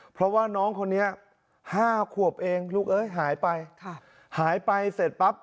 เพราะว่าน้องคนนี้ห้าขวบเองลูกเอ้ยหายไปค่ะหายไปหายไปเสร็จปั๊บ